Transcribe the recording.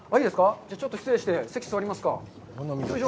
ちょっと失礼して席に座りますか。